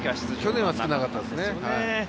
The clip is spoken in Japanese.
去年は少なかったですね。